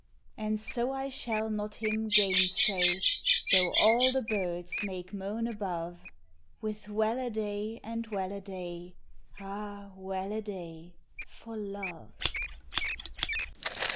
And so I shall not him gainsay, Though all the birds make moan above, With well a day and well a day, Ah ! well a day for love.